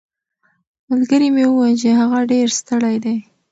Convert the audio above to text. ملګري مې وویل چې هغه ډېر ستړی دی.